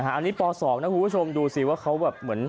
อันนี้ป๒นะคุณผู้ชมดูสิว่าเขาแบบเหมือน